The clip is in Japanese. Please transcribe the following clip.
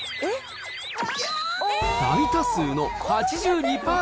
大多数の８２％。